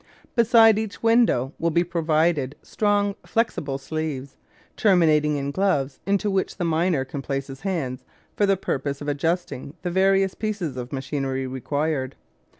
Beside each window will be provided strong flexible sleeves, terminating in gloves into which the miner can place his hands for the purpose of adjusting the various pieces of machinery required.